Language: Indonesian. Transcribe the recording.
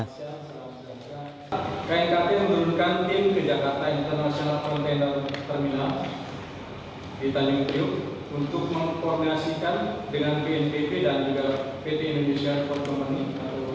knkt menurunkan tim ke jakarta international container terminal